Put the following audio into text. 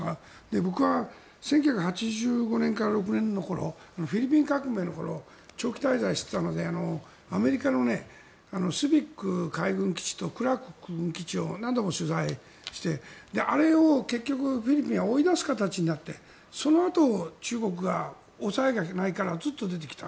僕は１９８５年から１９８６年の頃フィリピン革命の頃長期滞在していたのでアメリカのスービック海軍基地とクラーク空軍基地を何度も取材してそれを結局フィリピンは追い出す形になってそのあと中国が抑えがないから出てきた。